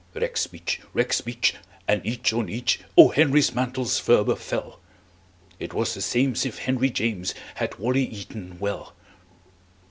Rexbeach! rexbeach! and each on each O. Henry's mantles ferber fell. It was the same'sif henryjames Had wally eaton well.